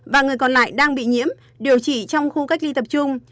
và người còn lại đang bị nhiễm điều trị trong khu cách ly tập trung